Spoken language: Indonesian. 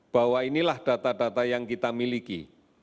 bahwa inilah data data yang kita miliki